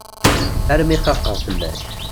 Alammi xaqeɣ fell-ak.